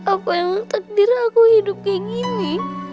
apa yang takdir aku hidup kayak gini